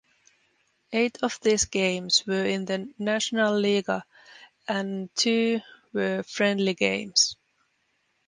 Eight of these games were in the Nationalliga and two were friendly games.